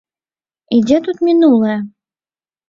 І дзе тут мінулае?